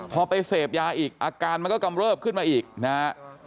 พอไปเสพยาอีกอาการมันก็กำเริบขึ้นมาอีกนะฮะ